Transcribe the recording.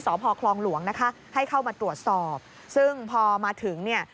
พ่อคลองหลวงนะคะให้เข้ามาตรวจสอบซึ่งพอมาถึงเนี่ย